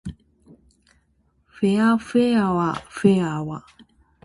ふぇあふぇわふぇわ